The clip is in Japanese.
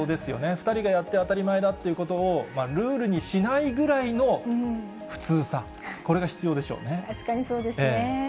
２人がやって当たり前だってことをルールにしないぐらいの普通さ、確かにそうですね。